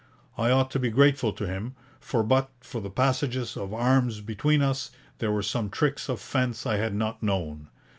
I ought to be grateful to him, for but for the passages of arms between us, there were some tricks of fence I had not known.